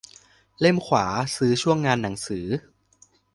เล่มขวาซื้อช่วงงานหนังสือ